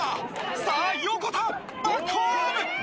さぁ、横田、バックホーム！